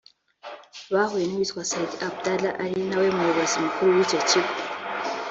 bahuye n’uwitwa Said Abdallah ari nawe Muyobozi Mukuru w’icyo kigo